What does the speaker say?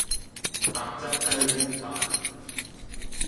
白汁雞皇飯